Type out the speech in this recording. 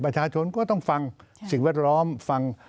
ประชาชนก็ต้องฟังสิ่งแวดล้อมฟัง